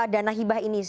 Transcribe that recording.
dana hibah ini